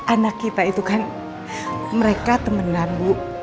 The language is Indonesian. anak kita itu kan mereka temenan bu